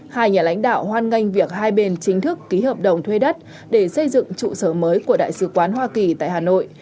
hai nhà lãnh đạo hoan nghênh việc hai bên chính thức ký hợp đồng thuê đất để xây dựng trụ sở mới của đại sứ quán hoa kỳ tại hà nội